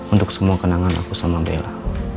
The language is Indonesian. untuk semua kenangan aku sama bella